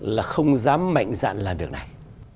là không dám mạnh dạn làm việc này